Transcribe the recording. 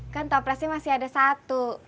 kan toplesnya masih ada satu